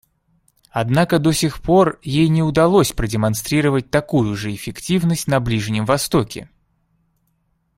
Однако до сих пор ей не удалось продемонстрировать такую же эффективность на Ближнем Востоке.